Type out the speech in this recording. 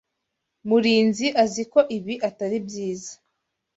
Murinzi azi ko ibi atari byiza.